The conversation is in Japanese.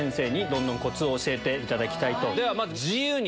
どんどんコツを教えていただきたい。